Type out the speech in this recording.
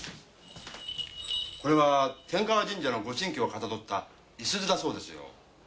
これは天河神社のご神器をかたどった五十鈴だそうですよ。